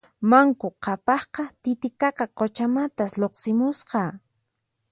Manku Qhapaqqa Titiqaqa quchamantas lluqsimusqa